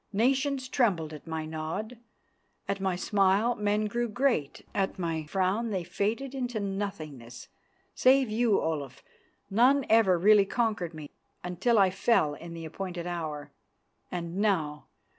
Nations trembled at my nod; at my smile men grew great; at my frown they faded into nothingness. Save you, Olaf, none ever really conquered me, until I fell in the appointed hour. And now!